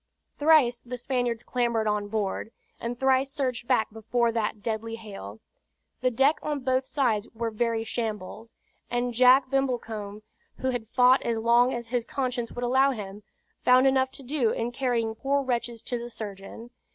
Thrice the Spaniards clambered on board; and thrice surged back before that deadly hail. The deck on both sides were very shambles; and Jack Brimblecombe, who had fought as long as his conscience would allow him, found enough to do in carrying poor wretches to the surgeon.